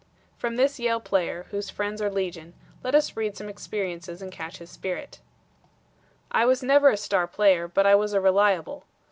From this Yale player, whose friends are legion, let us read some experiences and catch his spirit: "I was never a star player, but I was a reliable.